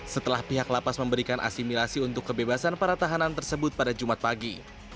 setelah pihak lapas memberikan asimilasi untuk kebebasan para tahanan tersebut pada jumat pagi